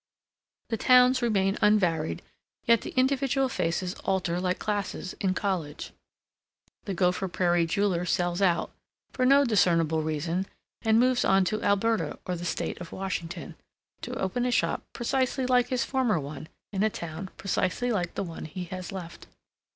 The towns remain unvaried, yet the individual faces alter like classes in college. The Gopher Prairie jeweler sells out, for no discernible reason, and moves on to Alberta or the state of Washington, to open a shop precisely like his former one, in a town precisely like the one he has left.